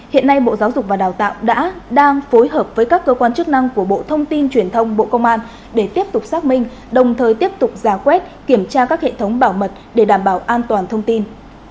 hiện nay bộ giáo dục và đào tạo đã đang phối hợp với các cơ quan chức năng của bộ thông tin truyền thông bộ công an để tiếp tục xác minh đồng thời tiếp tục giả quét kiểm tra các hệ thống bảo mật để đảm bảo an toàn thông tin